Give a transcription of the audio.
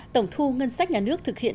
tổng thu ngân sách nhà nước thực hiện